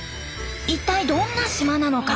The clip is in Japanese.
一体どんな島なのか？